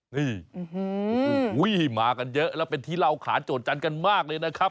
นี่อื้อฮืออุ้ยมากันเยอะแล้วเป็นทีเล่าขาดโจรจันทร์กันมากเลยนะครับ